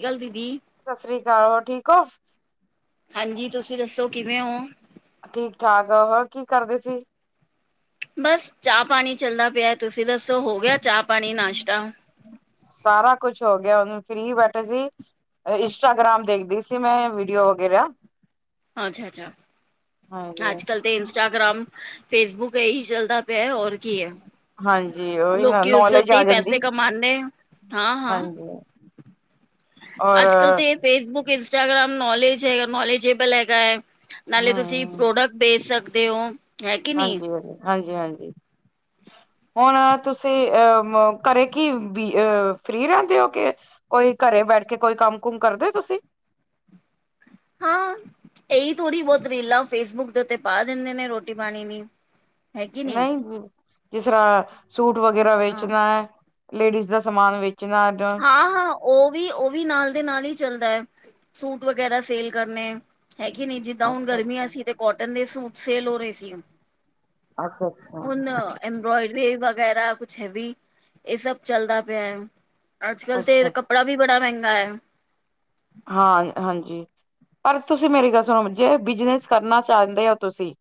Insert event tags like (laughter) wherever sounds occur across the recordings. ਨ ਗੱਲ ਦੀਦੀ ਸਤਿ ਸ੍ਰੀ ਅਕਾਲ ਹੋਰ ਠੀਕ ਹੋ ਹਾਂਜੀ ਤੁਸੀਂ ਦੱਸੋ ਕਿਵੇਂ ਹੋ ਠੀਕ ਠਾਕ ਹੋਰ ਕੀ ਕਰਦੇ ਸੀ ਬਸ ਚਾਹ ਪਾਣੀ ਚੱਲਦਾ ਪਿਆ ਤੁਸੀਂ ਤੁਸੀਂ ਦੱਸੋ ਹੋ ਗਿਆ ਚਾਹ ਪਾਣੀ ਨਾਸ਼ਤਾ ਸਾਰਾ ਕੁਛ ਹੋ ਗਿਆਨੂੰ ਫਰੀ ਹੀ ਬੈਠੇ ਸੀ ਇੰਸਟਾਗ੍ਰਾਮ ਦੇਖਦੀ ਸੀ ਮੈਂ ਵੀਡੀਓ ਵਗੈਰਾ ਅੱਛਾ ਅੱਛਾ ਹਾਂਜੀ ਅੱਜ ਕੱਲ ਤੇ ਇੰਸਟਾਗ੍ਰਾਮ ਫੇਸਬੁੱਕ ਇਹੀ ਚੱਲਦਾ ਪਿਆ ਔਰ ਕੀ ਹੈ ਹਾਂਜੀ ਉਹੀ ਲੋਕ ਨਾ ਕੀ ਉਸਦੇ ਨੌਲੇਜ ਉੱਤੇ ਆ ਹੀ ਪੈਸੇ ਜਾਂਦੀ ਕਮਾਉਦੇ ਹਾਂ ਹਾਂ ਹਾਂਜੀ ਔਰ ਅੱਜ ਕਲ ਤੇ ਫੇਸਬੁੱਕ ਇੰਸਟਅਗ੍ਰਮ ਨੋਲੇਜੇ ਹੈਗਾ ਨੋਲੇਜੇਬਲ ਹੈਗਾ ਹੈ ਨਾਲੇ ਤੁਸੀਂ ਹਮ ਪ੍ਰੋਡਕਟ ਵੇਚ ਸਕਦੇ ਦੇਓ ਹਾਂਜੀ- ਹਾਂਜੀ, ਹਾਂਜੀ- ਹਾਂਜੀ। ਹ (inaudible) ਹੁਣ ਤੁਸੀਂ ਅਹ ਮ ਘਰੇ ਕੀ ਵੀ ਫ੍ਰਰੀ ਰਹਿੰਦੇ ਓ ਕਿ ਕੋਈ ਘਰੇ ਬੈਠ ਕੇ ਕੋਈ ਕੰਮ ਕੁਮ ਕਰਦੇ ਤੁਸੀਂ ਹਾਂ ਇਹੀ ਥੋੜ੍ਹੀ ਬਹੁਤ ਰੀਲਾਂ ਫੇਸਬੁੱਕ ਦੇ ਉੱਤੇ ਪਾ ਦਿੰਦੇ ਨੇ ਰੋਟੀ ਪਾਣੀ ਦੀ ਹੈਗੀ ਨੀ ਨਹੀਂ ਜੀ ਜਿਸ ਤਰ੍ਹਾਂ ਸੂਟ ਵਗੈਰਾ ਹਾਂ ਵੇਚਣਾ ਹੈ ਲੇਡੀਜ਼ ਦਾ ਸਮਾਨ ਵੇਚਣਾ ਹਾਂ-ਹਾਂ ਉਹ ਵੀ ਉਹ ਵੀ ਨਾਲ ਦੇ ਨਾਲ ਹੀ ਚਲਦਾ ਹੈ ਸੂਟ ਵਗੈਰਾ ਸੇਲ ਕਰਨੇ ਹੈਗੇ ਨਹੀਂੀ ਜਿੱਦਾਂ ਹੁਣ ਗਰਮੀਆਂ ਅੱਛਾ ਸੀ ਤੇ ਕੋਟਨ ਦੇ ਸੂਟ ਸੇਲ ਹੋ ਰਹੇ ਸੀ ਹੁਣ ਅੱਛਾ-ਅੱਛਾ, ਐਮਬਰੋਇ ਵਗੈਰਾ ਕੁਛ ਹੈ ਵੀ ਇਹ ਸਭ ਚਲਦਾ ਪਿਆ ਹੈ ਅੱਜ ਕਲ੍ਹ ਤੇ ਅੱਛਾ ਕੱਪੜਾ ਵੀ ਬੜਾ ਮਹਿੰਗਾ ਹੈ ਹਾਂ ਹਾਂਜੀ ਪਰ ਤੁਸੀਂ ਮੇਰੀ ਗੱਲ ਸੁਣੋ ਜੇ ਬਿਜਨਸ ਕਰਨਾ ਚਾਹੁੰਦੇ ਹੋ ਤੁਸੀਂ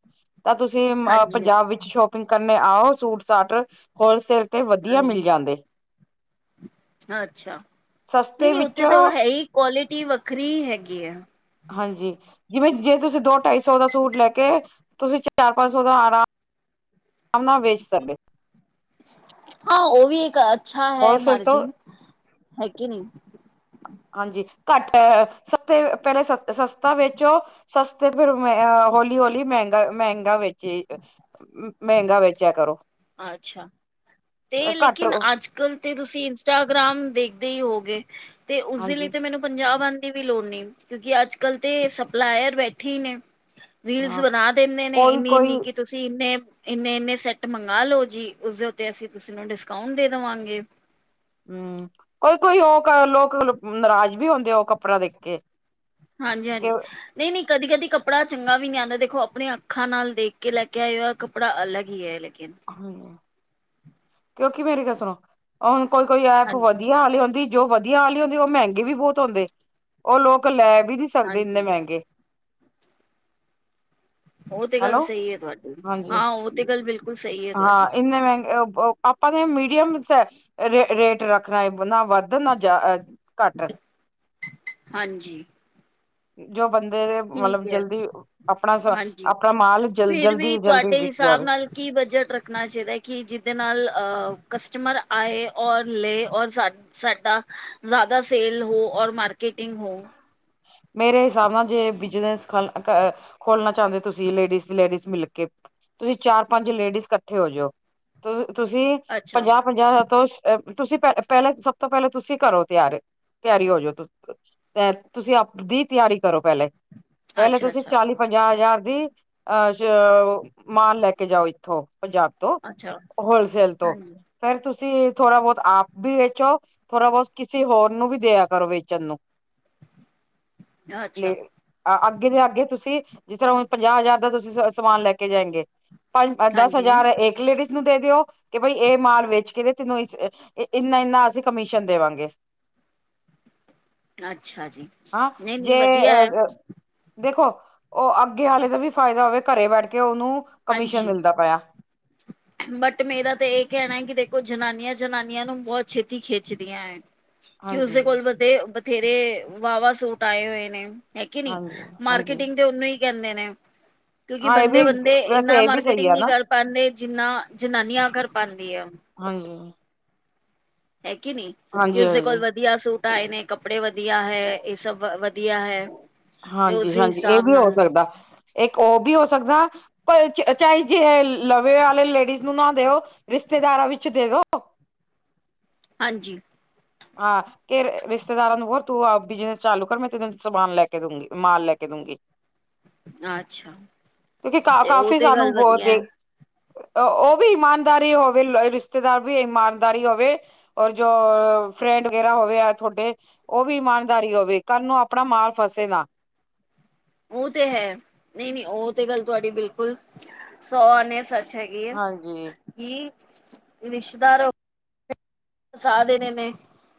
ਤਾਂ ਤੁਸੀਂ ਹਾਂਜੀ ਪੰਜਾਬ ਵਿੱਚ ਸ਼ੋਪਿੰਗ ਕਰਨੇ ਆਓ ਸੂਟ ਸਾਟ ਹੋਲਸੇਲ ਤੇ ਵਧੀਆ ਮਿਲ ਹਾਂਜੀ ਜਾਂਦੇ ਅੱਛਾ ਨਹੀਂ ਸਸਤੇ ਨਹੀਂ ਉੱਥੇ ਵਿੱਚੋਂ ਤਾਂ ਹੈ ਹੀ ਕੁਆਲਿਟੀ ਵੱਖਰੀ ਹੈਗੀ ਆ ਹਾਂਜੀ ਜਿਵੇਂ ਜੇ ਤੁਸੀਂ ਦੋ ਢਾਈ ਸੌ ਦਾ ਸੂਟ ਲੈ ਕੇ ਤੁਸੀਂ ਚਾਰ ਪੰਜ ਸੌ ਦਾ ਆਰਾ ਨਾ ਵੇਚ ਸਕਦੇ ਹਾਂ ਉਹ ਵੀ ਇੱਕ ਅੱਛਾ ਹੈ ਹੋਲਸੇਲ ਤੋਂ ਮਾਰਜਿਨ ਹੈ ਕਿ ਨਹੀ ਹੂੰ। ਹਾਂਜੀ, ਘੱਟ ਅਅਅ ਸਸਤੇ ਪਹਿਲੇ ਸਸਤਾ ਵੇਚੋ ਸਸਤੇ ਫੇਰ ਇਅਅ ਹੋਲੀ ਹੌਲੀ ਮਹਿੰਗਾ ਮਹਿੰਗਾ ਵੇਚੇ ਈ ਅ ਮਹਿੰਗਾ ਵੇਚਿਆ ਕਰੋ। ਅੱਛਾ, ਤੇ ਘੱਟ ਲੇਕਿਨ ਅੱਜ ਕੱਲ ਤੇ ਤੁਸੀਂ ਇੰਸਟਾਗ੍ਰਾਮ ਦੇਖਦੇ ਈ ਹੋ। ਤੇ ਉਸਦੇ ਲਈ ਹਾਂਜੀ ਤੇ ਮੈਨੂੰ ਪੰਜਾਬ ਆ ਦੀ ਵੀ ਲੋੜ ਨਹੀਂ ਕਿਉਂਕਿ ਅੱਜ ਕੱਲ੍ਹ ਤੇ ਸਪਲਾਇਰ ਬੈਠੇ ਈ ਨੇ। ਰੀਲਸ ਹਾਂ ਬਣਾ ਦਿੰਦੇ ਨੇ ਕੋਈ ਇੰਨੀ- ਕੋਈ ਇੰਨੀ ਕਿ ਤੁਸੀਂ ਇੰਨੇ, ਇੰਨੇ- ਇੰਨੇ ਸੈਟ ਮੰਗ ਨਾ ਲੋ ਜੀ ਉਸਦੇ ਉੱਤੇ ਅਸੀਂ ਤੁਸੀਂ ਨੂੰ ਡਿਸਕਾਊਂਟ ਦੇ ਦਵਾਂਗੇ। ਹੂੰ, ਕੋਈ- ਕੋਈ ਲੋਕ ਲੋਕ ਨਰਾਜ਼ ਵੀ ਹੁੰਦੇ ਉਹ ਕੱਪੜਾ ਦੇਖ ਕੇ। ਹਾਂਜੀ-ਹਾਂਜੀ, ਕਿ ਨਹੀਂ-ਨਹੀਂ, ਕਦੀ-ਕਦੀ ਕੱਪੜਾ ਚੰਗਾ ਵੀ ਨਹੀਂ ਆਂਦਾ ਦੇਖੋ ਅਪਣੀ ਅੱਖਾਂ ਨਾਲ ਦੇਖ ਕੇ ਲੈ ਕੇ ਆਏ ਆ ਕੱਪੜਾ ਅਲੱਗ ਈ ਐ ਇਹ ਹੂੰ ਕਿਉਂਕਿ ਮੇਰੀ ਗੱਲ ਸੁਣੋ ਹੁਣ ਕੋਈ ਕੋਈ ਐਪ ਵਦੀਆ ਆਲੀ ਹੁੰਦੀ ਜੋ ਵਧੀਆ ਆਲੀ ਹੁੰਦੀ ਉਹ ਮਹਿੰਗੇ ਵੀ ਬਹੁਤ ਹੁੰਦੇ ਉਹ ਲੋਕ ਲੈ ਵੀ ਨਹੀਂ ਸਕਦੇ ਇੰਨੇ ਹਾਂਜੀ-ਹਾਂਜੀ ਮਹਿੰਗੇ ਉਹ ਤੇ ਗੱਲ ਹੈਲੋ ਸਹੀ ਐ ਤੁਹਾਡੀ, ਹਾਂਜੀ ਹਾਂ ਉਹ ਤੇ ਗੱਲ ਬਿਲਕੁਲ ਸਹੀ ਹੈ ਹਾਂ ਤੁਹਾਡੀ ਇੰਨੇ ਮਹਿੰਗੇ ਆਪਾਂ ਨੇ ਮੀ (unintelligible) ਰੇਟ ਰੱਖਣਾ ਨਾ ਵੱਧ ਨਾ ਜਾ ਘਟ। ਹਾਂਜੀ। ਜੋ ਬੰਦੇ ਦੇ ਠੀਕ ਮਤਲਬ ਹੈ ਜਲਦੀ ਅਪਣਾ ਸ ਹਾਂਜੀ। ਅਪਣਾ ਮਾਲ ਜਲ ਫਿਰ ਜਲਦੀ ਵੀ ਜਲਦੀ ਤੁਹਾਡੇ ਵਿਕ ਹਿਸਾਬ ਜਾਵੇ। ਨਾਲ ਕੀ ਬਜਟ ਰੱਖਣਾ ਚਾਹੀਦਾ ਐ ਕਿ ਜਿਦੇ ਨਾਲ ਅਹ ਕਸਟਮਰ ਆਏ ਔਰ ਲੇ ਔਰ ਸਾਡਾ ਸੇਲ ਹੋ ਓਰ ਮਾਰਕੀਟ ਟੀਂਗ ਹੋ। ਮੇਰੇ ਹਿਸਾਬ ਨਾਲ ਜੇ ਬਿਜਨਸ ਖਲ ਅ ਖੋਲਣਾ ਚਾਂਦੇ ਓ ਤੁਸੀਂ ਲੇਡੀਜ਼ ਲੇਡੀਜ਼ ਮਿਲ ਕੇ ਤੁਸੀਂ ਚਾਰ -ਪੰਜ ਲੇਡੀਜ਼ ਕੱਠੇ ਹੋਜਓ, ਤੁਸੀਂ ਅੱਛਾ ਪੰਜਾਹ ਪੰਜਾਹ ਤੋਂ ਤੁਸੀਂ ਪਹਿ ਪਹਿਲੇ ਸਭ ਤੋਂ ਪਹਿਲਾਂ ਤੁਸੀਂ ਘਰੋ ਤਿਆਰ ਤਿਆਰੀ ਹੋ ਜਾਓ ਤੇ ਤੁਸੀਂ ਆਪਦੀ ਤਯਾਰੀ ਕਰੋ ਪੈਲੇ, ਪੈਲੇ ਅੱਛਾ ਤੁਸੀਂ ਅੱਛਾ ਚਾਲੀ ਪੰਜਾਹ ਹਜ਼ਾਰ ਦੀ ਅਹ ਮਾਲ ਲੈ ਕੇ ਜਾਓ ਇੱਥੋਂ ਪੰਜਾਬ ਤੋਂ ਅੱਛਾ ਹੋਲਸੇਲ ਤੋਂ ਹਾਂਜੀ ਫੇਰ ਤੁਸੀਂ ਤੁਸੀਂ ਥੋੜਾ-ਬਹੁਤ ਆਪ ਵੀ ਵੇਚੋ, ਥੋੜਾ-ਬਹੁਤ ਕਿਸੇ ਹੋਰ ਨੂੰ ਵੀ ਦਿਆ ਕਰੋ ਵੇਚਣ ਨੂੰ। (inaudible) ਲੇ, ਅੱਛਾ ਅੱਗੇ ਦੇ ਅੱਗੇ ਤੁਸੀਂ ਜਿਸ ਤਰਾਂ ਹੁਣ ਪੰਜਾਹ ਹਜ਼ਾਰ ਦਾ ਤੁਸੀਂ ਸਮਾਨ ਲੈ ਕੇ ਜਾਏਂਗੇ ਪੰਜ ਦਸ ਹਾਂਜੀ ਹਜ਼ਾਰ ਏਕ ਲੇਡੀਜ ਨੂੰ ਦੇ ਦਿਓ ਕਿ ਬਈ ਇਹ ਮਾਲ ਵੇਚ ਕੇ ਤੇ ਤੈਨੂੰ ਇਨਾ-ਇਨਾ ਅਸੀਂ ਕਮਿਸ਼ਨ ਦੇਵਾਂਗੇ। ਅੱਛਾ ਜੀ, ਹਾਂ ਨਈ-ਨਈ ਜੇ ਵਦੀਆ ਐ। ਦੇਖੋ ਉਹ ਅੱਗੇ ਆਲੇ ਦਾ ਵੀ ਫਾਇਦਾ ਹੋਵੇ ਘਰੇ ਬੈਠ ਕੇ ਓ ਹਾਂਜੀ, ਬਟ ਮੇਰਾ ਤੇ ਇਹ ਕਹਿਣਾ ਕਿ ਦੇਖ ਜਨਾਨੀਆਂ-ਜਨਾਨੀਆਂ ਨੂੰ ਬਹੁਤ ਛੇਤੀ ਖਿੱਚਦੀਆਂ ਐ ਕਿ ਹਾਂਜੀ, ਉਸਦੇ ਕੋਲ ਵਧੇ ਥੇਰੇ ਵਾਹਵਾ ਸੂਟ ਆਏ ਹੋਏ ਨੇ ਹੈ ਕੇ ਨੀ ਹਾਂਜੀ, ਹਾਂਜੀ ਮਾਰਕੀਟਿੰਗ ਦੇ ਉਹਨੂੰ ਈ ਕਹਿੰਦੇ ਨੇ ਕਿਉਂਕਿ ਹਾਂ ਇਹ ਵੀ ਬੰਦੇ-ਬੰਦੇ ਵੈਸੇ ਨਾ ਇਹ ਵੀ ਸਹੀ ਮਾਰਕੀਟਿੰਗ ਆ ਨਈ ਨਾ। ਕਰ ਪਾਂਦੇ ਜਿੰਨਾ ਜਨਾਨੀਆਂ ਕਰ ਪਾਂਦੀ ਆ। (inaudible) ਹੈ ਕੇ ਨੀ ਕਿ ਹਾਂਜੀ, ਉਸਦੇ ਹਾਂਜੀ, ਕੋਲ ਵਦੀਆ ਸੂਟ ਆਏ ਨੇ ਕੱਪੜੇ ਵਦੀਆ ਹੈ ਇਹ ਸਭ ਵਦੀਆ ਹੈ। ਤੇ ਹਾਂਜੀ, ਉਸੇ ਹਾਂਜੀ ਇਹ ਹਿਸਾਬ ਵੀ ਹੋ ਨਾਲ ਸਕਦਾ। ਇੱਕ ਉਹ ਵੀ ਹੋ ਸਕਦਾ ਪਰ ਚਾਹੇ ਜੇ ਲਵੇ ਵਾਲੇ ਲੇਡੀਜ਼ ਨੂੰ ਨਾ ਦਿਓ ਰਿਸ਼ਤੇਦਾਰਾਂ ਵਿੱਚ ਦੇ ਦੋ। ਹਾਂਜੀ। ਹਾਂ ਕੇ ਰਿਸ਼ਤੇਦਾਰਾਂ ਨੂੰ ਹੋਰ ਤੂੰ ਆਪ ਬਿਜਨਸ ਚਾਲੂ ਕਰ ਮੈਂ ਤੈਨੂੰ ਸਮਾਨ ਲੈ ਕੇ ਦੂੰਗੀ ਮਾਲ ਲੈ ਕੇ ਦੂੰਗੀ। ਅੱਛਾ ਕਿਉਂਕਿ ਕਾ ਤੇ ਉਹ ਕਾਫੀ ਤੇ ਗੱਲ ਸਾਨੂੰ ਬਹੁਤ ਵਧੀਆ ਦੇ ਹੈ ਉਹ ਵੀ ਇਮਾਨਦਾਰੀ ਹੋਵੇ ਰਿਸ਼ਤੇਦਾਰ ਵੀ ਇਮਾਨਦਾਰੀ ਹੋਵੇ ਔਰ ਜੋ ਫਰੈਂਡ ਵਗੈਰਾ ਹੋਵੇ ਤੁਹਾਡੇ, ਉਹ ਵੀ ਇਮਾਨਦਾਰੀ ਹੋਵੇ ਕੱਲ ਨੂੰ ਆਪਣਾ ਮਾਲ ਫਸੇ ਨਾ। (inaudible) ਉਹ ਤੇ ਹੈ ਨਹੀਂ ਨਹੀਂ ਉਹ ਤੇ ਗੱਲ ਤੁਹਾਡੀ ਬਿਲਕੁਲ ਸੌ ਆਨੇ ਸੱਚ ਹੈਗੀ ਹਾਂਜੀ ਐ (unintelligible) ਫਸਾ ਦੇਣੇ ਨੇ,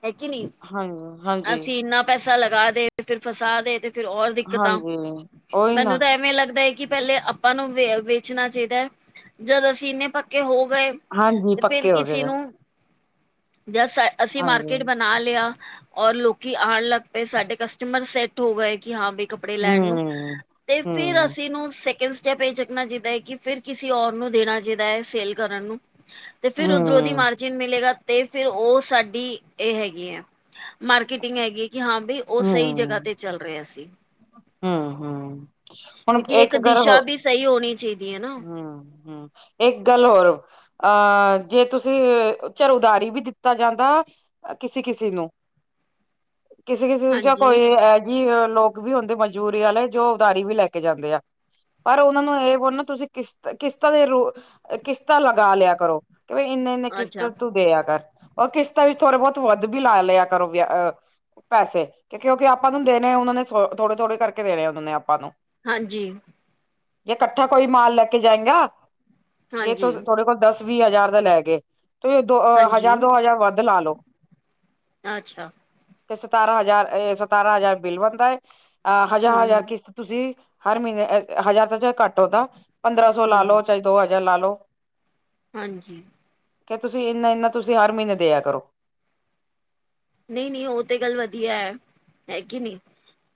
ਹੈ ਕਿ ਨੀ, ਹਾਂਜੀ ਹਾਂਜੀ ਅਸੀਂ ਇੰਨਾ ਪੈਸਾ ਪੈਸਾ ਲਗਾ ਦੇ ਫਿਰ ਫਸਾ ਦੇ ਤੇ ਫਿਰ ਹੋਰ ਦਿੱਕਤਾਂ, ਹਾਂਜੀ ਉਹੀ ਨਾ ਮੈਨੂੰ ਤਾਂ ਐਵੇਂ ਲੱਗਦਾ ਕਿ ਪਹਿਲੇ ਆਪਾਂ ਨੂੰ ਵੇ ਵੇਚਣਾ ਚਾਹੀਦਾ ਹੈ ਜਦ ਅਸੀਂ ਇੰਨੇ ਪੱਕੇ ਹੋ ਗਏ ਹਾਂਜੀ ਤੇ ਫਿਰ ਪੱਕੇ ਹੋ ਗਏ ਕਿਸੇ ਨੇ ਨੂੰ ਜਾਂ ਅਸੀਂ ਮਾਰਕੀਟ ਹਾਂਜੀ ਬਣਾ ਲਿਆ। ਔਰ ਲੋਕੀ ਆਉਣ ਲੱਗ ਪਏ ਸਾਡੇ ਕਸਟਮਰ ਸੈੱਟ ਹੋ ਗਏ ਕਿ ਹਾਂ ਬੀ ਕੱਪੜੇ ਲੈਣ ਨੂੰ ਹਮ ਤੇ ਫੇਰ ਹਮ ਅਸੀਂ ਨੂੰ। ਇੱਕ ਸਟੈਪ ਇਹ ਚੁੱਕਣਾ ਚਾਹੀਦਾ ਹੈ ਕਿ ਫਿਰ ਕਿਸੇ ਔਰ ਨੂੰ ਦੇਣਾ ਚਾਹੀਦਾ ਹੈ ਸੇਲ ਕਰਨ ਨੂੰ। ਤੇ ਫਿਰ ਉਧਰੋਧੀ ਹਮ ਮਾਰਜਿਨ ਮਿਲੇਗਾ ਤੇ ਫਿਰ ਉਹ ਸਾਡੀ ਇਹ ਹੈਗੀ ਹੈ ਮਾਰਕੀਟਿੰਗ ਹੈਗੀ। ਕਿ ਹਾਂ ਬਈ ਉਹ ਸਹੀ ਜਗ੍ਹਾ ਤੇ ਚੱਲ ਰਿਹਾ ਸੀ। ਹੂੰ - ਹੂੰ ਹੁਣ ਕਿਉਂਕਿ ਇੱਕ ਕਰ ਹੋ ਦਿਸ਼ਾ ਵੀ ਸਹੀ ਹੋਣੀ ਚਾਹੀਦੀ ਹੈ ਨਾ ਹੂੰ - ਹੂੰ ਇੱਕ ਗੱਲ ਹੋਰ ਅਹ ਜੇ ਤੁਸੀਂ ਚਲ ਉਦਾਰੀ ਵੀ ਦਿੱਤਾ ਜਾਂਦਾ ਕਿਸੇ ਕਿਸੇ ਨੂੰ ਇਥੇ ਕੁਛ ਬੋਲਿਆ ਨਹੀਂ ਗਿਆ ਹੈ (inaudible) ਕਿਸੇ ਕਿਸੇ ਜਾਂ ਕੋਈ ਇਹ ਜਿਹੀ ਲੋਕ ਵੀ ਹੁੰਦੇ ਮਜ਼ਬੂਰੀ ਵਾਲੇ ਜੋ ਉਦਾਰੀ ਵੀ ਲੈ ਕੇ ਜਾਂਦੇ ਆ। ਪਰ ਉਹਨਾ ਨੂੰ ਇਹ ਬੋਲ ਨਾ ਤੁਸੀਂ ਕਿਸਤ ਦੇ ਰੂ ਕਿਸਤਾ ਲਗਾ ਲਿਆ ਕਰੋ। ਕਿ ਇੰਨੇ ਇੰਨੇ ਅੱਛਾ ਕਿਸ਼ਤਾਂ ਤੂੰ ਦਿਆ ਕਰ ਅਰ ਕਿਸ਼ਤਾਂ ਵਿੱਚ ਥੋੜੇ ਬਹੁਤ ਵੱਧ ਵੀ ਲਾ ਲਿਆ ਕਰੋ ਵਿਹ ਪੈਸੇ ਕਿਉਂ ਕਿਉਂਕਿ ਆਪਾਂ ਨੂੰ ਦੇਣੇ ਉਹਨਾਂ ਨੇ। ਥੋੜੇ-ਥੋੜੇ ਕਰਕੇ ਦੇਣੇ ਉਹਨਾਂ ਨੇ ਆਪਾਂ ਨੂੰ। ਹਾਂਜੀ। ਜੇ ਕੱਠਾ ਕੋਈ ਮਾਲ ਲੈ ਕੇ ਜਾਏਗਾ। ਜੇ ਹਾਂਜੀ, ਤੁ ਤੁਹਾਡੇ ਕੋਲ ਦੱਸ ਵੀਹ ਹਜ਼ਾਰ ਦਾ ਲੈ ਗੇ। ਤੁਸੀ ਦੋ ਹਾਂਜੀ ਹਜ਼ਾਰ ਦੋ ਹਜ਼ਾਰ ਵੱਧ ਲਾ ਲੋ। ਅੱਛਾ ਤੇ ਸਤਾਰਾਂ ਹਜ਼ਾਰ-ਸਤਾਰਾਂ ਹਜ਼ਾਰ ਬਿੱਲ ਬਣਦਾ ਏ ਅ ਹਜ਼ਾਰ ਹਜ਼ਾਰ ਹੂੰ, ਕਿਸ਼ਤ ਤੁਸੀਂ ਹਰ ਮਹੀਨੇ ਹਜ਼ਾਰ ਤਾਂ ਘੱਟ ਆਦਾ ਪੰਦਰਾਂ ਸੌ ਲਾ ਲੋ ਹੂੰ ਚਾਹੇ ਦੋ ਹਜ਼ਾਰ ਲਾ ਲੋ। ਹਾਂਜੀ ਕਿ ਤੁਸੀਂ ਇੰਨਾ-ਇਨਾ ਤੁਸੀਂ ਹਰ ਮਹੀਨੇ ਦਿਆ ਕਰੋ। ਨਹੀਂ ਨਹੀਂ ਉਹ ਤੇ ਗੱਲ ਵਧੀਆ ਹੈ ਕੀ ਨੀ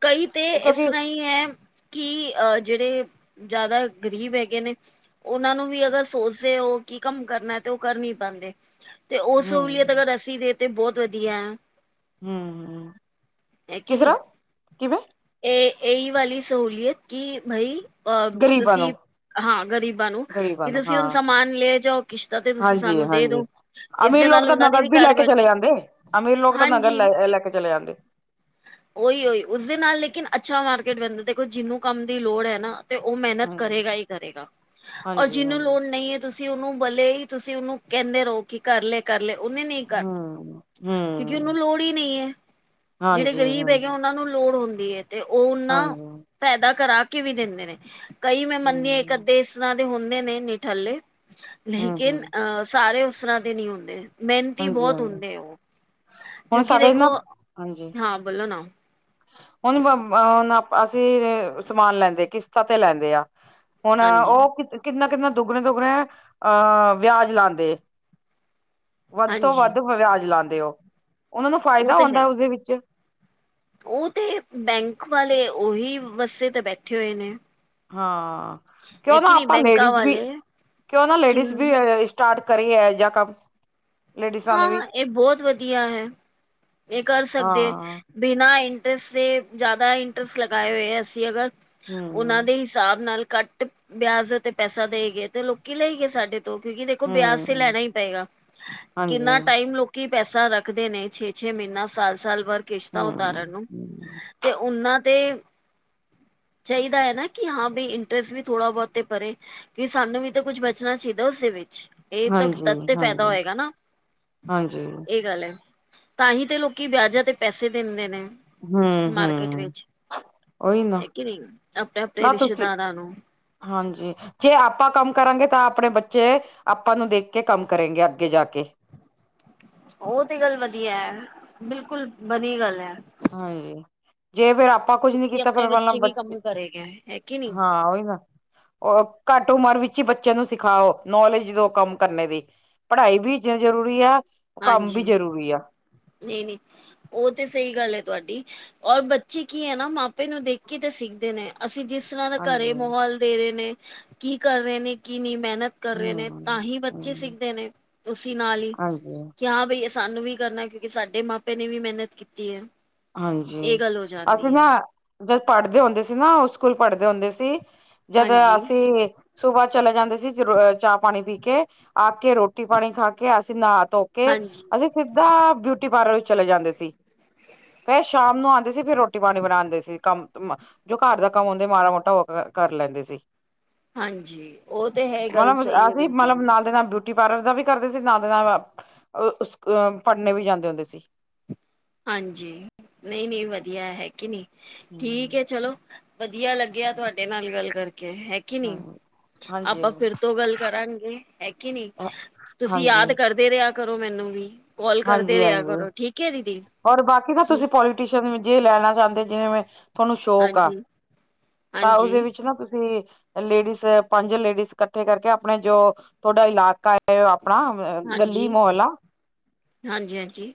ਕਈ ਤੇ ਇਸ ਕਿਉਂਕਿ ਤਰ੍ਹਾਂ ਹੀ ਹੈ ਕਿ ਅਹ ਜਿਹੜੇ ਜ਼ਿਆਦਾ ਗ਼ਰੀਬ ਹੈਗੇ ਨੇ, ਉਹਨਾਂ ਨੂੰ ਵੀ ਅਗਰ ਸੋਚਦੇ ਉਹ, ਕੀ ਕੰਮ ਕਰਨਾ ਤੇ ਉਹ ਕਰ ਨੀ ਪਾਉਦਾ। ਤੇ ਉਹ ਸਹੂਲੀਅਤ ਹਮ ਅਗਰ ਅੱਸੀ ਦੇ ਤੇ ਬਹੁਤ ਵਧੀਆ ਹੈ। ਹੂੰ - ਹੂੰ ਹੈ ਕਿ ਨਹੀਂ ਇਹ ਇਹੀ ਵਾਲੀ ਸਹੂਲੀਅਤ ਕਿ ਬਾਈ ਅ ਗ਼ਰੀਬਾਂ ਤੁਸੀਂ ਨੂੰ ਹਾਂ ਗ਼ਰੀਬਾਂ ਨੂੰ ਗ਼ਰੀਬਾਂ ਕਿ ਨੂੰ ਤੁਸੀਂ ਹਾਂ ਹੁਣ ਸਮਾਨ ਲੈ ਜਾਓ ਕਿਸ਼ਤ ਤੇ ਤੁਸੀਂ ਹਾਂਜੀ ਸਾਨੂੰ ਦੇ ਹਾਂਜੀ ਦੋ ਅਮੀਰ ਇਸਦੇ ਲੋਕ ਨਾਲ ਤਾਂ ਉਹਨਾ ਦੀ ਨਗਦ ਵੀ ਲੈ ਘਰ ਕੇ ਬੈਠ ਚਲੇ ਜਾਂਦੇ ਅਮੀਰ ਲੋਕ ਤਾਂ ਨਗਦ ਹਾਂਜੀ ਲੈ ਲੈ ਕੇ ਚਲੇ ਜਾਂਦੇ ਉਹੀ ਉਹੀ ਉਸਦੇ ਨਾਲ ਲੇਕਿਨ ਅੱਛਾ ਮਾਰਕੀਟ ਬਣਦਾ ਦੇਖੋ ਜਿਹਨੂੰ ਕੰਮ ਦੀ ਲੋੜ ਹੈ ਨਾ ਤੇ ਉਹ ਮਿਹਨਤ ਹਾਂਜੀ ਕਰੇਗਾ ਹੀ ਕਰੇਗਾ ਔਰ ਹਾਂਜੀ ਜਿਹਨੂੰ ਹਾਂਜੀ ਲੋੜ ਨਹੀਂ ਹੈ ਤੁਸੀਂ ਤੁਸੀਂ ਉਹਨੂੰ ਬਲੇ ਹੀ ਤੁਸੀਂ ਉਹਨੂੰ ਕਹਿੰਦੇ ਰਹੋ ਕਿ ਕਰ ਲਏ ਕਰ ਲਏ ਉਹਨੇ ਨਹੀਂ ਕਰਨਾ ਹਮ ਕਿਉਂਕਿ ਉਹਨੂੰ ਹਮ ਲੋੜ ਹੀ ਨਹੀਂ ਹੈ। ਜਿਹੜੇ ਹਾਂਜੀ ਗ਼ਰੀਬ ਹੈਗੇ ਹਾਂਜੀ ਉਹਨਾਂ ਨੂੰ ਲੋੜ ਹੁੰਦੀ ਹੈ ਤੇ ਉਹ ਉਹਨਾਂ ਹਾਂਜੀ ਪੈਦਾ ਕਰਾ। ਵੀ ਦਿੰਦੇ ਨੇ। ਕਈ ਮੈਂ ਮੰਦੀ ਆਂ, ਕਦੇ ਇੱਕ ਹਮ ਅੱਧੇ ਇਸ ਤਰ੍ਹਾਂ ਦੇ ਹੁੰਦੇ ਨੇ ਨਿਠੱਲੇ ਹਮ ਲੇਕਿਨ ਹਮ ਅ ਸਾਰੇ ਉਸ ਤਰ੍ਹਾਂ ਦੇ ਨਈ ਹੁੰਦੇ। ਮਿਹਨਤੀ ਹਾਂਜੀ ਬੋਤ ਹਾਂਜੀ ਹੁੰਦੇ ਓ, ਹੁਣ ਕਿਉਂਕਿ ਸਾਡੇ ਨਾ ਦੇਖੋ ਹਾਂ ਬੋਲੋ ਨਾ। ਹੁਨ, ਹੁਣ ਅਸੀਂ ਸਮਾਨ ਲੈਂਦੇ ਕਿਸ਼ਤਾਂ ਤੇ ਲੈਂਦੇ ਆ। ਹੁਨ ਹਾਂਜੀ ਉਹ ਕਿ ਕਿੰਨਾ? ਕਿੰਨਾ ਦੁੱਗਣੇ, ਦੁੱਗਣੇ ਅਹ ਵਿਆਜ ਲਾਂਦੇ। ਵੱਧ ਤੋਂ ਹਾਂਜੀ ਵੱਧ ਵਿਆਜ ਲਾਦੇ ਓ। ਉਹਨਾਂ ਨੂੰ ਉਹ ਫਾਇਦਾ ਤੇ ਹੈ ਹੁੰਦਾ ਉਸਦੇ ਵਿੱਚ ਉਹ ਤੇ ਬੈਂਕ ਵਾਲੇ ਉਹੀ ਵੱਸੇ ਤੇ ਬੈਠੇ ਹੋਏ ਨੇ। ਹੈ ਕਿਉਂ ਕਿ ਨਾ ਨਹੀਂ ਆਪਾਂ ਬੈਂਕਾਂ ਲੇਡੀਜ਼ ਵੀ ਵਾਲੇ ਕਿਉਂ, ਨਾ ਕਿ ਲੇਡੀਜ਼ ਵੀ ਸਟਾਰਟ ਕਰੀ ਐ ਜਾਂ ਕੰਮ ਲੇਡੀਜ਼ਾਂ ਨੇ ਹਾਂ, ਵੀ ਹਾਂ ਇਹ ਬਹੁਤ ਵਧੀਆ ਹੈ। ਇਹ ਕਰ ਸਕਦੇ ਹਾਂ ਬਿਨਾਂ ਇ ਜਿਆਦਾ ਇੰਟਰਸਟ ਲਗਾਏ ਹੋਏ ਆ। ਅਸੀਂ ਅਗਰ ਓਨਾਂ ਹਮ ਦੇ ਹਿਸਾਬ ਨਾਲ ਘੱਟ ਵਿਆਜ ਉੱਤੇ ਪੈਸਾ ਦੇਈ ਗਏ। ਤੇ, ਲੋਕੀ ਲਈ ਗਏ ਸਾਡੇ ਕਿਉਂਕਿ ਦੇਖੋ ਵਿਆਜ ਤੇ ਹਮ ਲੈਣਾ ਹੀ ਪਏਗਾ। ਕਿੰਨਾ ਹਾਂਜੀ ਟਾਈਮ ਲੋਕੀ ਪੈਸਾ ਰੱਖਦੇ ਨੇ ਛੇ, ਛੇ ਮਹੀਨਾ ਸਾਲ, ਸਾਲ ਵਰ ਕਿਸ਼ਤ ਉਤਾਰਨ ਹਮ ਨੂੰ ਤੇ ਉਨਾਂ ਤੇ ਚਾਈਦਾ ਹੈ ਨਾ ਕਿ ਹਾਂ ਬਈ ਇੰਟਰਸਟ ਵੀ ਥੋੜਾ ਬਹੁਤ ਤੇ ਪਰੇ ਕਿ ਸਾਨੂੰ ਵੀ ਤਾਂ ਕੁਛ ਬਚਣਾ ਚਾਹੀਦਾ ਉਸਦੇ ਵਿੱਚ। ਇਹ ਤਾਂ ਤਦ ਹਾਂਜੀ ਤੇ ਹਾਂਜੀ ਫੈਦਾ ਹੋਏਗਾ ਨਾ। ਹਾਂਜੀ। ਤਾਹੀ ਤੇ ਲੋਕੀ ਵਿਆਜਾ ਤੇ ਪੈਸੇ ਦਿੰਦੇ ਨੇ। ਹੂੰ, ਮਾਰਕੀਟ ਹੂੰ ਵਿੱਚ ਓਹੀ ਨਾ ਹੈ ਕਿ ਨਹੀਂ ਆਪਣੇ ਆਪਣੇ ਨਾ ਤੁਸੀਂ ਰਿਸ਼ਤੇਦਾਰਾਂ ਨੂੰ ਹਾਂਜੀ ਜੇ ਆਪਾਂ ਕੰਮ ਕਰਾਗੇ ਤਾਂ ਆਪਣੇ ਬੱਚੇ ਬੱਚੇ ਆਪਾਂ ਨੂੰ ਦੇਖ ਕੇ ਕੰਮ ਕਰੇਂਗੇ ਅੱਗੇ ਜਾ ਕੇ। ਓਹ ਤੇ ਗੱਲ ਵਧੀਆ ਐ। ਬਿਲਕੁਲ ਵਧੀਆ ਗੱਲ ਐ। ਹਾਂਜੀ ਜੇ ਫਰ ਆਪਾਂ ਕੁਝ ਨੀ ਕਿ ਕੀਤਾ ਆਪਣੇ ਫਿਰ ਮ ਵੀ ਬੱਚੇ ਕੰਮ ਕਰੇਗਾ ਹੈ ਕਿ ਨਹੀਂ ਹਾਂ ਉਹੀ ਨਾ ਉਹ ਘੱਟ ਉਮਰ ਵਿੱਚ ਈ ਬੱਚਿਆਂ ਨੂੰ ਸਿਖਾਓ। ਨੌਲੇਜ ਦੋ ਕੰਮ ਕਰਨੇ ਦੀ। ਪੜ੍ਹਾਈ ਵੀ ਜ਼ਰੂਰੀ ਆ ਕੰਮ ਹਾਂਜੀ ਵੀ ਜ਼ਰੂਰੀ ਆ ਨਈ, ਨਈ ਉਹ ਤੇ ਸਹੀ ਗੱਲ ਐ। ਤੁਹਾਡੀ ਔਰ ਬੱਚੇ ਕੀ ਐ ਨਾ ਮਾਪੇ ਨੂੰ ਦੇਖ ਕੇ ਤੇ ਸਿੱਖਦੇ ਨੇ। ਅਸੀਂ ਜਿਸ ਤਰ੍ਹਾਂ ਦਾ ਘਰੇ ਹਾਂਜੀ ਮਾਹੌਲ ਦੇ ਰਹੇ ਨੇ। ਕੀ ਕਰ ਰਹੇ ਨੇ? ਕੀ ਨੀ? ਮਿਹਨਤ ਕਰ ਰਹੇ ਨੇ ਤਾਂ ਹਮ ਹੀ ਬੱਚੇ ਹਮ ਸਿੱਖਦੇ ਨੇ ਉਸਸੀ ਨਾਲ ਹੀ ਹਾਂਜੀ ਹ ਬਈ ਸਾਨੂੰ ਵੀ ਕਰਨਾ ਕਿਉਂਕਿ ਸਾਡੇ ਮਾਪੇ ਨੇ ਵੀ ਮਿਹਨਤ ਕੀਤੀ ਹੈ ਇਹ ਹਾਂਜੀ ਗੱਲ ਹੋ ਅਸੀਂ ਜਾਂਦੀ ਹੈ ਨਾ ਜਦ ਪੜ੍ਹਦੇ ਹੁੰਦੇ ਸੀ। ਨਾ, ਉਹ ਸਕੂਲ ਪੜ੍ਹਦੇ ਹੁੰਦੇ ਸੀ ਜਦ ਹਾਂਜੀ ਅਸੀਂ ਸੁਬਾ ਚਲੇ ਜਾਂਦੇ ਸੀ। ਚਾਹ ਪਾਣੀ ਪੀ ਕੇ ਕੇ ਆ ਕੇ ਰੋਟੀ ਪਾਣੀ ਖਾ ਕੇ ਅਸੀਂ ਨਹਾ ਧੋ ਕੇ ਹਾਂਜੀ ਅਸੀਂ ਸਿੱਧਾ ਬਊਟੀ ਬਾਰਾ ਵਜੇ ਚਲੇ ਜਾਂਦੇ ਸੀ। ਫੇਰ ਸ਼ਾਮ ਨੂੰ ਆਦੇ ਸੀ। ਫਿਰ ਰੋਟੀ ਪਾਨੀ ਬਣਾਦੇ ਸੀ। ਕੰਮ ਜੋ ਘਰ ਦਾ ਕੰਮ ਹੁੰਦੇ ਮਾੜਾ ਮੋਟਾ ਹੋ ਕੇ ਕਰ ਲੈਂਦੇ ਸੀ। ਹਾਂਜੀ ਉਹ ਤੇ ਹੈ ਗੱਲ ਮਤਲਬ ਸਹੀ ਹੈ। ਅਸੀਂ ਬਿਲਕੁਲ ਜ ਮਤਲਬ ਨਾਲ ਦੇ ਨਾਲ ਬਿਊਟੀ ਪਾਰਲਰ ਦਾ ਵੀ ਕਰਦੇ ਸੀ ਨਾਲ ਦੀ ਨਾਲ ਪੜਨੇ ਵੀ ਜਾਂਦੇ ਹੁੰਦੇ ਸੀ। ਹਾਂਜੀ ਨਈ, ਨਈ ਵਧੀਆ ਹੈ ਕਿ ਨਈ ਠੀਕ ਹੈ। ਚਲੋ ਵਧੀਆ ਲੱਗਿਆ ਤੁਹਾਡੇ ਨਾਲ ਗੱਲ ਕਰਕੇ। ਹੈ ਕੀ ਨੀ? ਹਾਂਜੀ, ਹਾਂਜੀ, ਆਪਾਂ ਫਿਰ ਤੋਂ ਗੱਲ ਕਰਾਂਗੇ। ਹੈ ਕੀ ਨੀ? ਤੁਸੀਂ ਹਾਂਜੀ। ਯਾਦ ਕਰਦੇ ਰਿਹਾ ਕਰੋ ਮੈਨੂੰ ਵੀ ਕੌਲ ਕਰਦੇ ਹਾਂਜੀ ਰਿਆ ਹਾਂਜੀ ਕਰੋ। ਠੀਕ ਹੈ ਦੀਦੀ? ਔਰ ਬਾਕੀ ਨਾ ਤੁਸੀਂ ਪੋਲੀਟੀਸ਼ਨ ਜੇ ਲੈਣਾ ਚਾਦੇਂ ਜਿਵੇ ਥੋਨੂੰ ਸ਼ੌਕ ਆ ਹਾਂਜੀ ਤਾਂ ਉਸਦੇ ਹਾਂਜੀ ਵਿੱਚ ਨਾ ਤੁਸੀਂ ਲੇਡੀਜ਼ ਪੰਜ ਲੇਡੀਸ ਇਕੱਠੇ ਕਰਕੇ ਆਪਣੇ ਜੋ ਤੁਹਾਡਾ ਇਲਾਕਾ ਹੈ ਆਪਣਾ ਗਲੀ ਹਾਂਜੀ ਮਹੋਲਾ ਹਾਂਜੀ ਹਾਂਜੀ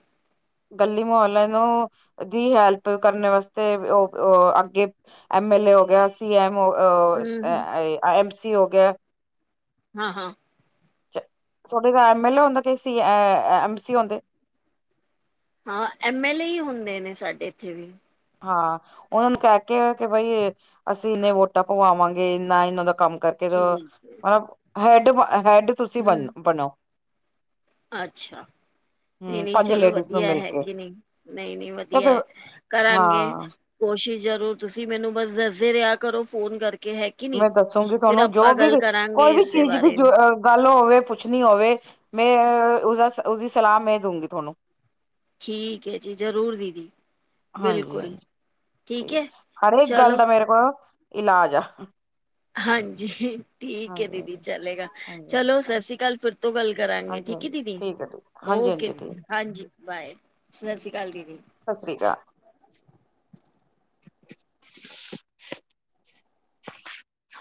ਗਲੀ ਵਾਲੀਆਂ ਨੂੰ ਦੀ ਹੈਲਪ ਕਰਨ ਵਾਸਤੇ ਉਹ ਅੱਗੇ ਐਮ ਐਲ ਏ ਹੋ ਗਿਆ ਸੀ ਐਮ ਹਮ ਐਮ ਸੀ ਹੋ ਗਿਆ ਹਾਂ ਹਾਂ ਤੁਹਾਡੇ ਤਾਂ ਐੱਮ ਐੱਲ ਏ ਹੁੰਦਾ ਕਿਸ ਸੀ ਐਮ ਸੀ ਹੁੰਦੇ ਹਾਂ ਐਮ ਐਲ ਏ ਹੀ ਹੁੰਦੇ ਨੇ ਸਾਡੇ ਇੱਥੇ ਵੀ ਹਾਂ ਉਹਨਾਂ ਨੂੰ ਕਹਿ ਕੇ ਕਿ ਬਈ ਅਸੀਂ ਇੰਨੇ ਵੋਟਾਂ ਪਵਾਵਾਂਗੇ ਇੰਨਾ ਇਹਨਾਂ ਦਾ ਕੰਮ ਕਰਕੇ ਠੀਕ ਹੈ। ਮਤਲਬ ਹੈਡ ਹੈਡ ਤੁਸੀਂ ਬਣ ਹਮ ਬਣੋ ਅੱਛਾ ਨਹੀਂ ਹਮ ਨਹੀਂ ਪੰਜ ਚਲੋ ਲੇਡੀਜ਼ ਨੂੰ ਵਧੀਆ ਮਿਲ ਹੈ ਕੇ ਕਿ ਨਹੀਂ ਨਹੀਂ ਨਹੀਂ ਜਾਂ ਵਧੀਆ ਫਿਰ ਕਰਾਂਗੇ ਹਾਂ ਕੋਸ਼ਿਸ਼ ਜ਼ਰੂਰ ਤੁਸੀਂ ਮੈਨੂੰ ਬਸ ਦੱਸੇ ਰਿਹਾ ਕਰੋ ਫੋਨ ਕਰਕੇ ਹੈ ਕਿ ਨਹੀਂ ਮੈਂ ਦੱਸੂਗੀ ਫਿਰ ਤੁਹਾਨੂੰ ਜੋ ਆਪਾਂ ਵੀ ਗੱਲ ਕੋਈ ਕਰਾਂਗੇ ਵੀ ਇਸਦੇ ਚੀਜ਼ ਦੀ ਬਾਰੇ ਜੋ ਗੱਲ ਹੋਵੇ ਪੁੱਛਣੀ ਹੋਵੈ ਮੈਂ ਉਹ ਦਾ ਉਸਦੀ ਸਲਾਹ ਮੈਂ ਦਊਗੀ ਤੁਹਾਨੂੰ। ਠੀਕ ਹੈ ਜੀ ਜ਼ਰੂਰ ਦੀਦੀ। ਹਾਂਜੀ ਬਿਲਕੁਲ ਹਾਂਜੀ ਠੀਕ ਹਰੇਕ ਗੱਲ ਚਲੋ ਦਾ ਮੇਰੇ ਕੋਲ ਇਲਾਜ ਆ। ਹਾਂਜੀ ਠੀਕ ਹੈ ਹਾਂਜੀ ਦੀਦੀ ਹਾਂਜੀ ਚਲੇਗਾ ਹਾਂਜੀ ਚਲੋ ਸਤਿ ਹਾਂਜੀ ਸ੍ਰੀ ਅਕਾਲ ਫਿਰ। ਤੋਂ ਗੱਲ ਕਰਾਂਗੇ ਹਾਂਜੀ ਹਾਂਜੀ ਠੀਕ ਹੈ ਹਾਂਜੀ ਦੀਦੀ ਠੀਕ ਹੈ ਠੀਕ ਹਾਂਜੀ ਓਕੇ ਹਾਂਜੀ ਠੀਕ ਦੀਦੀ ਹਾਂਜੀ ਬਾਏ ਸਤਿ ਸ੍ਰੀ ਅਕਾਲ ਦੀਦੀ। ਸਤਿ ਸ਼੍ਰੀ ਅਕਾਲ। (unintelligible) (unintelligible)